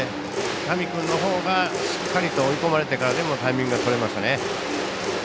上君のほうがしっかりと追い込まれてからでもタイミングが取れましたね。